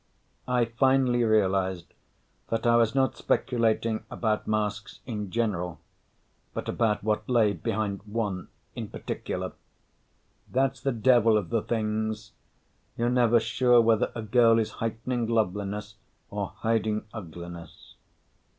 I finally realized that I was not speculating about masks in general, but about what lay behind one in particular. That's the devil of the things; you're never sure whether a girl is heightening loveliness or hiding ugliness.